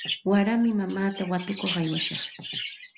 Waraymi mamaata watukuq aywashaq.